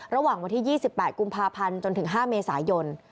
ระหว่างวันที่๒๘กุมภาพันธ์จนถึง๕เมษายน